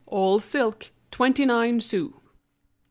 "All silk, twenty nine sous."